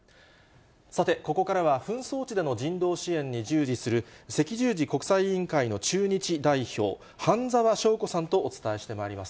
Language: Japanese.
さて、ここからは紛争地での人道支援に従事する、赤十字国際委員会の駐日代表、榛澤祥子さんとお伝えしてまいります。